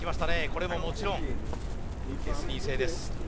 これももちろんＳニー製です。